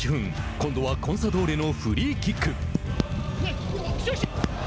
今度はコンサドーレのフリーキック。